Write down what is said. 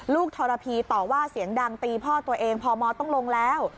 ทรพีต่อว่าเสียงดังตีพ่อตัวเองพมต้องลงแล้ว